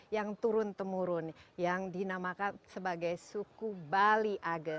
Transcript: yang turun temurun yang dinamakan sebagai suku bali age